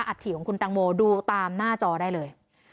ฐิของคุณตังโมดูตามหน้าจอได้เลย